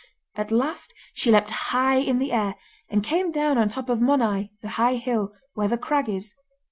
At last she leapt high in the air, and came down on top of Monadh the high hill, where the crag is.